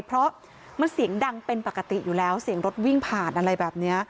เพราะมันเสียงดังเป็นปกติอยู่แล้วเสียงรถวิ่งผ่านอะไรแบบนี้